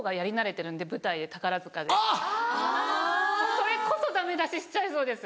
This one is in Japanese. それこそダメ出ししちゃいそうです。